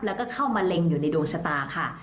แล้วก็เข้ามาเล็งอยู่ในดวงชะตาค่ะ